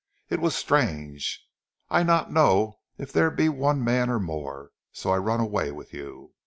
Eet was strange, I not know eef there be one man or more, so I run aways wit' you."